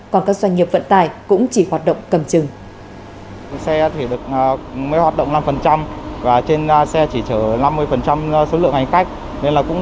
còn các doanh nghiệp vận tải cũng chỉ hoạt động cầm chừng